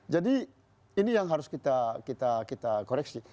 jadi ini yang harus kita koreksi